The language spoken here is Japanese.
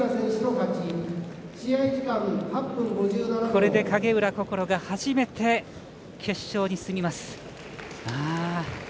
これで影浦心が初めて決勝に進みます。